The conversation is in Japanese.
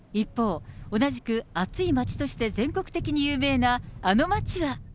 一方、同じく暑い町として全国的に有名な、あの町は。